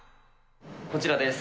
こちらです。